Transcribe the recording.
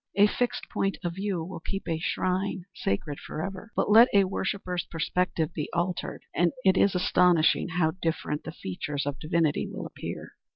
A fixed point of view will keep a shrine sacred forever, but let a worshipper's perspective be altered, and it is astonishing how different the features of divinity will appear.